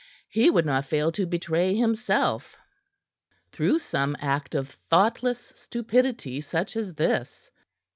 He would not fail to betray himself through some act of thoughtless stupidity such as this.